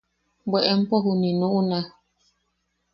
–Bwe empo juniʼi nuʼuna.